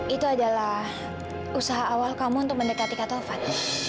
itu adalah usaha awal kamu untuk mendekati kak tovan